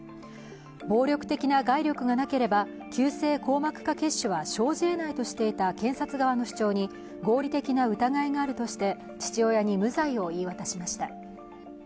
暴力的な外力がなければ、急性硬膜下血腫は生じえないとしていた検察側の主張に合理的な疑いがあるとして父親に無罪を言い渡しました。